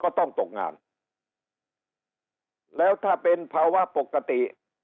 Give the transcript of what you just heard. ต้องตกงานแล้วถ้าเป็นภาวะปกติ